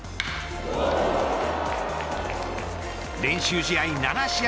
練習試合７試合